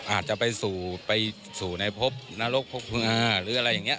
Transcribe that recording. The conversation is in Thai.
อาจจะไปสู่ไปสู่ในพบนรกพบพึงอาหรืออะไรอย่างนี้